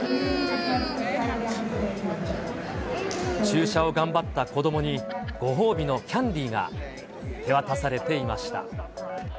注射を頑張った子どもに、ご褒美のキャンディーが手渡されていました。